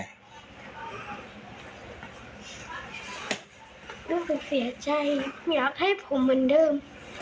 รู้สึกเสียใจอยากให้ผมเหมือนเดิม